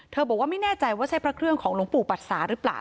บอกว่าไม่แน่ใจว่าใช่พระเครื่องของหลวงปู่ปัดสาหรือเปล่า